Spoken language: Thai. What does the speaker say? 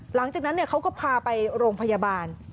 หลังจากนั้นเขาก็พาไปโรงพยาบาล